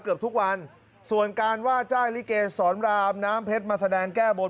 เกือบทุกวันส่วนการว่าจ้างลิเกสรรามน้ำเพชรมาแสดงแก้บน